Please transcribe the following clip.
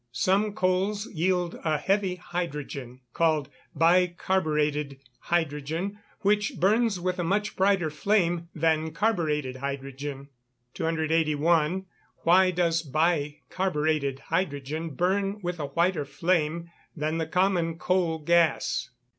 Some coals yield a heavy hydrogen, called bi carburetted hydrogen, which burns with a much brighter flame than carburetted hydrogen. 281. _Why does bi carburetted hydrogen burn with a whiter flame than the common coal gas?